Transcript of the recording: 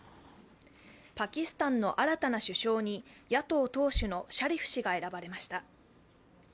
パキスタンの新たな首相に野党党首のシャリフ氏が選ばれました。